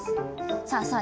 さあさあ